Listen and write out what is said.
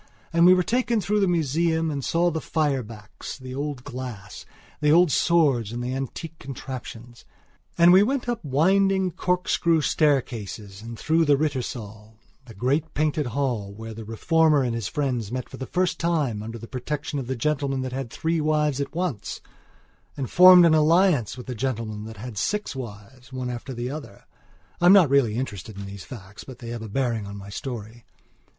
And we were taken through the museum and saw the fire backs, the old glass, the old swords and the antique contraptions. And we went up winding corkscrew staircases and through the Rittersaal, the great painted hall where the Reformer and his friends met for the first time under the protection of the gentleman that had three wives at once and formed an alliance with the gentleman that had six wives, one after the other (I'm not really interested in these facts but they have a bearing on my story).